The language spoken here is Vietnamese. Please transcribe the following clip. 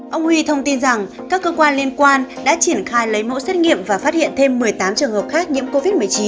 ông huy thông tin rằng các cơ quan liên quan đã triển khai lấy mẫu xét nghiệm và phát hiện thêm một mươi tám trường hợp khác nhiễm covid một mươi chín